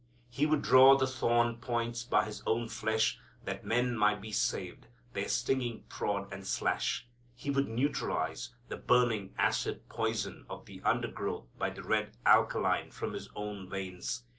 He would draw the thorn points by His own flesh that men might be saved their stinging prod and slash. He would neutralize the burning acid poison of the undergrowth by the red alkaline from His own veins.